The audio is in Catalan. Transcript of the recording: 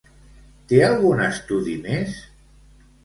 Té algun estudi més?